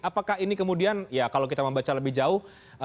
apakah ini kemudian ya kalau kita membaca lebih jauh